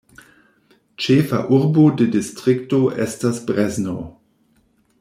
Ĉefa urbo de distrikto estas Brezno.